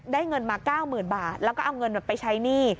เงินมา๙๐๐๐บาทแล้วก็เอาเงินไปใช้หนี้